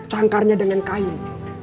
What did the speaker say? sangkarnya dengan kain